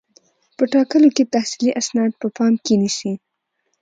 په ټاکلو کې تحصیلي اسناد په پام کې نیسي.